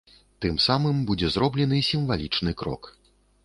Тым самым будзе зроблены сімвалічны крок.